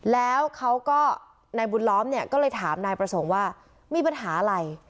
แล้วเขาก็นายบุญล้อมเนี่ยก็เลยถามนายประสงค์ว่ามีปัญหาอะไร